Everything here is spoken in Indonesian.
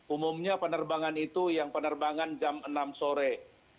umumnya penerbangan itu yang penerbangan jam enam sore